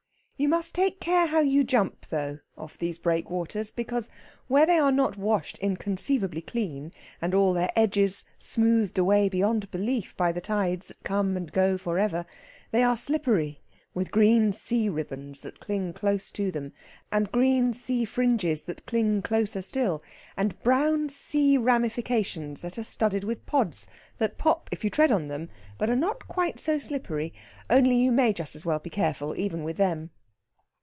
You must take care how you jump, though, off these breakwaters, because where they are not washed inconceivably clean, and all their edges smoothed away beyond belief by the tides that come and go for ever, they are slippery with green sea ribbons that cling close to them, and green sea fringes that cling closer still, and brown sea ramifications that are studded with pods that pop if you tread on them, but are not quite so slippery; only you may just as well be careful, even with them.